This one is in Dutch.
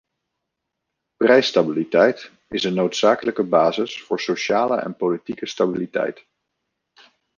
Prijsstabiliteit is een noodzakelijke basis voor sociale en politieke stabiliteit.